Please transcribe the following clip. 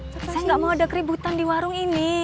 saya nggak mau ada keributan di warung ini